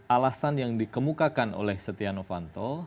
alasan yang dikemukakan oleh setia novanto